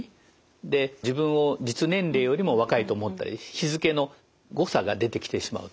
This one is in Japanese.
で自分を実年齢よりも若いと思ったり日付の誤差が出てきてしまうと。